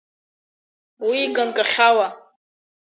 Уи ганкахьала.